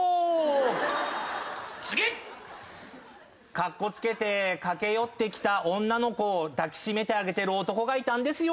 格好付けて駆け寄ってきた女の子を抱き締めてあげてる男がいたんですよ。